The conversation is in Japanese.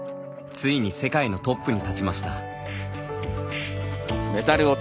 ついに世界のトップに立ちました。